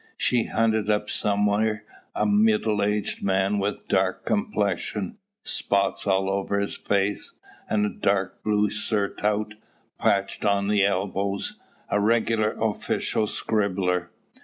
She hunted up somewhere a middle aged man with dark complexion, spots all over his face, and a dark blue surtout patched on the elbows, a regular official scribbler.